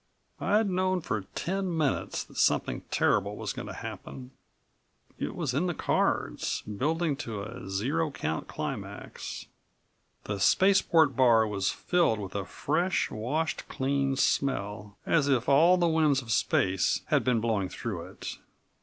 1 I'd known for ten minutes that something terrible was going to happen. It was in the cards, building to a zero count climax. The spaceport bar was filled with a fresh, washed clean smell, as if all the winds of space had been blowing through it.